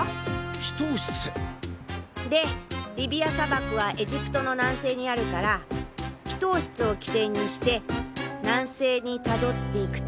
祈祷室。でリビア砂漠はエジプトの南西にあるから祈祷室を起点にして南西にたどっていくと。